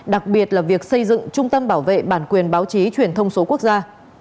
đặc biệt là việc xây dựng trung tâm bảo vệ bản quyền báo chí truyền thông số quốc gia